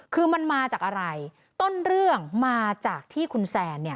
คือมันมาจากอะไรต้นเรื่องมาจากที่คุณแซนเนี่ย